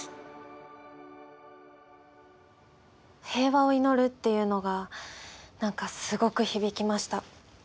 平和を祈るっていうのが何かすごく響きました。